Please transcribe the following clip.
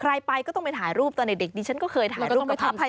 ใครไปก็ต้องไปถ่ายรูปตอนเด็กดิฉันก็เคยถ่ายรูปไปถ่าย